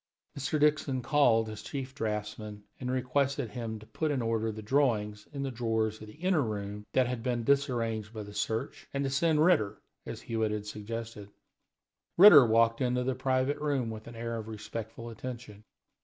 Mr. Dixon called his chief draughtsman and requested him to put in order the drawings in the drawers of the inner room that had been disarranged by the search, and to send Ritter, as Hewitt had suggested. Ritter walked into the private room with an air of respectful attention.